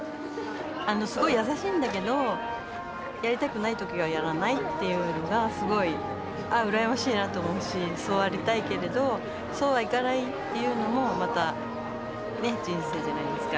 すごい優しいんだけどやりたくない時はやらないっていうのがすごい「ああ羨ましいな」と思うしそうありたいけれどそうはいかないっていうのもまたね人生じゃないですか。